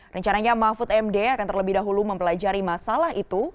rencananya mahfud md akan terlebih dahulu mempelajari masalah itu